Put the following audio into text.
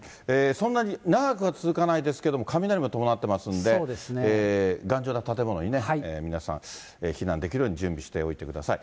そんなに長くは続かないですけど、雷を伴っていますんで、頑丈な建物に避難できるようにしておいてください。